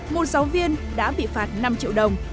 một giáo viên đã bị phạt năm triệu đồng